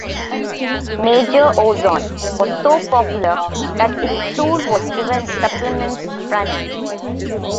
"Major Ozone" was so popular that it soon was given the supplement's front page.